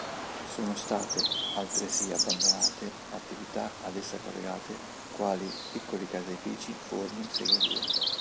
Sono state altresì abbandonate attività ad essa collegate quali piccoli caseifici, forni, segherie.